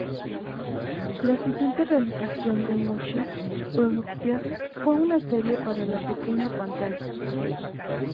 La siguiente realización de Mushi Production fue una serie para la pequeña pantalla.